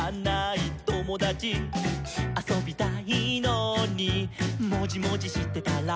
「あそびたいのにもじもじしてたら」